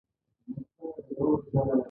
هغه ګټه چې سوداګر پانګوال یې په لاس راوړي